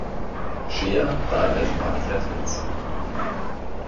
Scheer died at Marktredwitz.